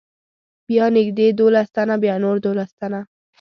بیا نږدې دولس تنه، بیا نور دولس تنه.